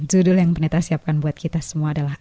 judul yang peneta siapkan buat kita semua adalah